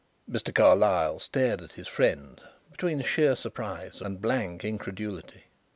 Mr. Carlyle stared at his friend between sheer surprise and blank incredulity.